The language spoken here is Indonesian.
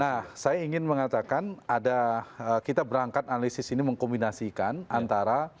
nah saya ingin mengatakan ada kita berangkat analisis ini mengkombinasikan antara